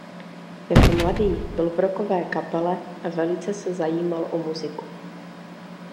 Jako mladý byl v rockové kapele a velice se zajímal o muziku.